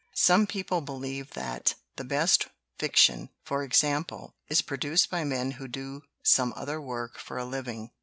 Some people believe that the best fiction, for example, is produced by men who do some other work for a living."